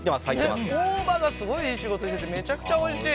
大葉がすごいいい仕事しててめちゃめちゃおいしい！